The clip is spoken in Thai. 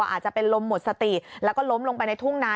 อาจจะเป็นลมหมดสติแล้วก็ล้มลงไปในทุ่งนา